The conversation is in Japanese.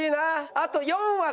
あと４枠。